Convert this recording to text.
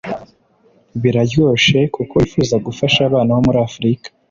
biraryoshe ko wifuza gufasha abana bo muri afrika.